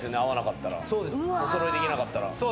おそろいできなかったら。